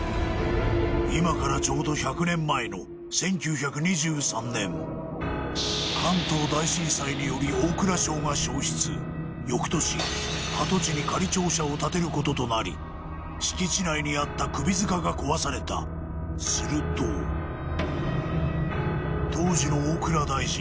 今からちょうど１００年前の１９２３年関東大震災により大蔵省が焼失翌年跡地に仮庁舎を建てることとなり敷地内にあった首塚が壊されたすると当時の大蔵大臣